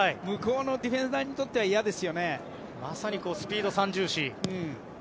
向こうのディフェンダーにとってはまさにスピード三銃士。